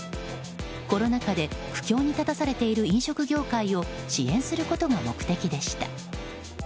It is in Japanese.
コロナ禍で苦境に立たされている飲食業界を支援することが目的でした。